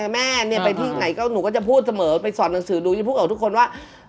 แม่ไปที่ไหนก็หนูก็จะพูดเสมอไปสอนหนังสือดูจะพูดกับทุกคนว่า